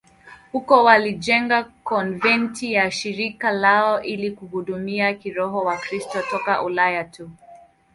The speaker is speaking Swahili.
Huko walijenga konventi ya shirika lao ili kuhudumia kiroho Wakristo toka Ulaya tu.